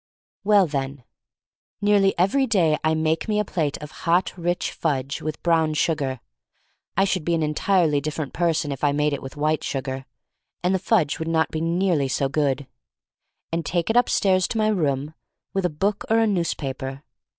Well, then. Nearly every day I make me a plate of hot, rich fudge, with brown sugar (I should be an entirely different person if I made it with white sugar — and the fudge would not be nearly so good), and take it upstairs to my room, with a book or a newspaper.